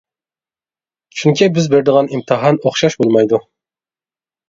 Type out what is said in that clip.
چۈنكى بىز بېرىدىغان ئىمتىھان ئوخشاش بولمايدۇ.